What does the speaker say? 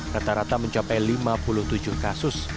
rata rata mencapai lima puluh tujuh kasus